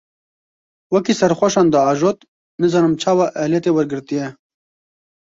Wekî serxweşan diajot, nizanim çawa ehliyetê wergirtiye.